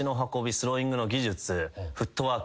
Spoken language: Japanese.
スローイングの技術フットワーク